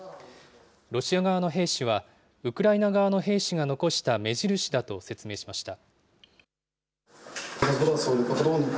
ロシア側の兵士は、ウクライナ側の兵士が残した目印だと説明しました。